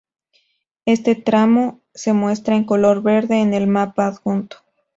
Este tramo se muestra en color verde en el mapa adjunto.